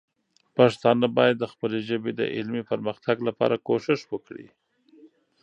پښتانه باید د خپلې ژبې د علمي پرمختګ لپاره کوښښ وکړي.